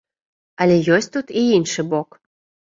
Але ёсць тут і іншы бок.